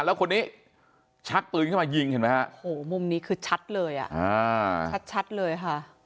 แล้วคนนี้ชักปืนเข้ามายิงเห็นไหมฮะโอ้โหมุมนี้คือชัดเลยอ่ะชัดเลยค่ะ